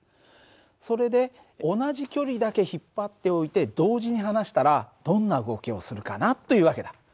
それで同じ距離だけ引っ張っておいて同時に離したらどんな動きをするかなという訳だ。